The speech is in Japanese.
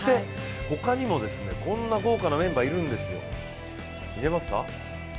他にもこんな豪華なメンバーいるんですよ。